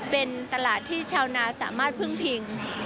เป็นตลาดที่ชาวนาสามารถพึ่งพิง